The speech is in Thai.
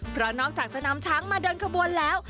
เพราะนอกจากจะนำช้างมาเดินขบวนแล้ว